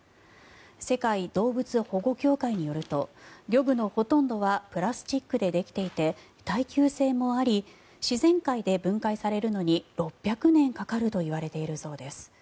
世界動物保護協会によると漁具のほとんどはプラスチックでできていて耐久性もあり自然界で分解されるのに６００年かかるといわれているそうです。